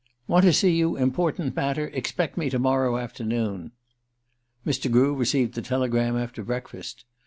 "Want to see you important matter. Expect me to morrow afternoon." Mr. Grew received the telegram after breakfast.